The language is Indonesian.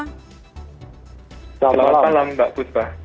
selamat malam mbak kusbah